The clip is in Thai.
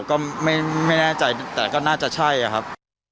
ก็ไม่แน่ใจแต่ก็น่าจะใช่ครับ